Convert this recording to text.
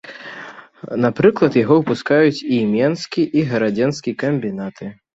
Напрыклад, яго выпускаюць і менскі, і гарадзенскі камбінаты.